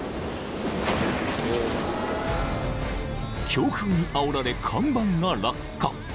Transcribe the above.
［強風にあおられ看板が落下］